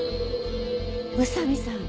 宇佐見さん